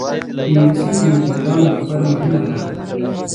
انګلیسي د انجینرانو لپاره مهمه ده